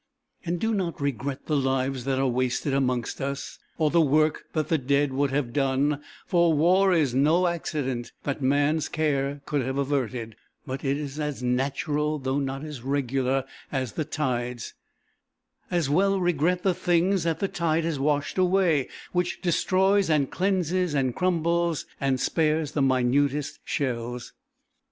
And do not regret the lives that are wasted amongst us, or the work that the dead would have done, for war is no accident that man's care could have averted, but is as natural, though not as regular, as the tides; as well regret the things that the tide has washed away, which destroys and cleanses and crumbles, and spares the minutest shells.